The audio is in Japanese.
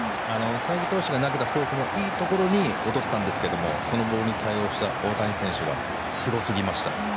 才木投手が投げたボールもいいところに落とせたんですけどそのボールに対応した大谷選手がすごすぎました。